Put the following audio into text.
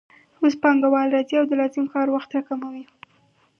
اوس پانګوال راځي او د لازم کار وخت راکموي